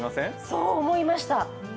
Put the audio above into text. そう思いました。